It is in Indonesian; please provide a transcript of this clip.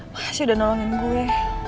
makasih udah nolongin gue